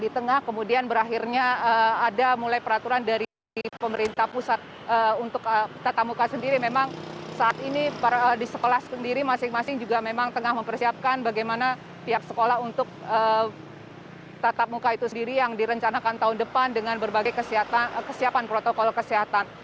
di tengah kemudian berakhirnya ada mulai peraturan dari pemerintah pusat untuk tatap muka sendiri memang saat ini di sekolah sendiri masing masing juga memang tengah mempersiapkan bagaimana pihak sekolah untuk tatap muka itu sendiri yang direncanakan tahun depan dengan berbagai kesiapan protokol kesehatan